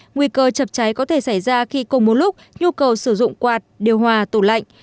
nguy cơ chập cháy có thể xảy ra khi cùng một lúc nhu cầu sử dụng quạt điều hòa tủ lạnh